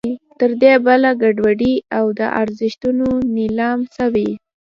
تر دې بله ګډوډي او د ارزښتونو نېلام څه وي.